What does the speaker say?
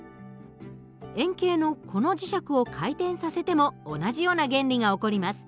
円形のこの磁石を回転させても同じような原理が起こります。